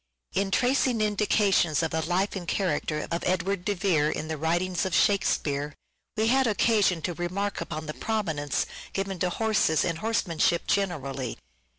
In tracing indications of the life and character of Edward de Vere in the writings of " Shakespeare " we had occasion to remark upon the prominence given to horses and horsemanship generally.